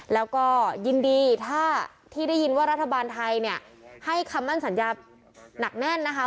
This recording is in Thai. แล้วก็ยินดีถ้าที่ได้ยินว่ารัฐบาลไทยเนี่ยให้คำมั่นสัญญาหนักแน่นนะคะ